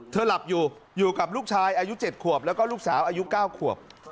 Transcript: หลับอยู่อยู่กับลูกชายอายุ๗ขวบแล้วก็ลูกสาวอายุ๙ขวบ